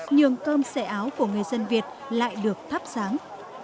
nhường cơm xẻ áo của người dân việt lại được thắp sáng